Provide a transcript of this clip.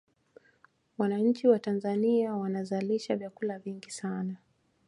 wananchi wa tanzania wanazalisha vyakula vingi sana